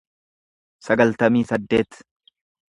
sagaltamii saddeet